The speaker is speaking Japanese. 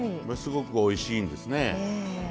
すごくおいしいんですね。